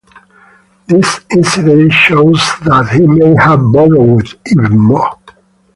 This incident shows that he may have borrowed even more.